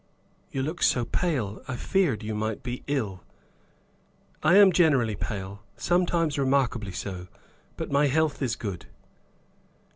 "You look so very pale, I feared you might be ill." "I am generally pale; sometimes remarkably so; but my health is good."